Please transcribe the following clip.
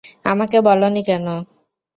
আমাকে বলোনি কেন?